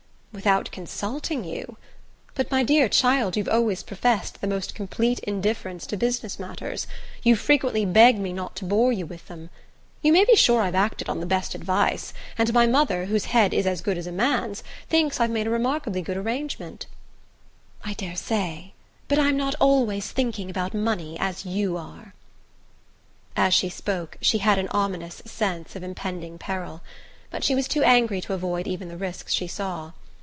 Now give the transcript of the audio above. "Without consulting you? But, my dear child, you've always professed the most complete indifference to business matters you've frequently begged me not to bore you with them. You may be sure I've acted on the best advice; and my mother, whose head is as good as a man's, thinks I've made a remarkably good arrangement." "I daresay but I'm not always thinking about money, as you are." As she spoke she had an ominous sense of impending peril; but she was too angry to avoid even the risks she saw.